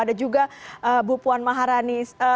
dan juga bu puan maharani